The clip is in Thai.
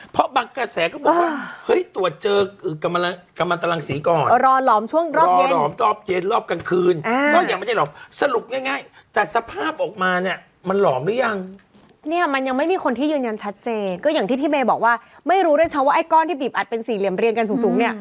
เพราะว่าไอ้ก้อนที่บีบอัดเป็นสี่เหลี่ยมเรียนกันสูง